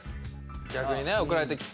逆にね送られてきて。